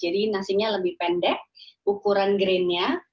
jadi nasinya lebih pendek ukuran grainnya